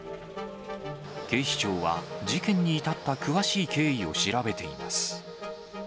警視庁は事件に至った詳しい経緯を調べています。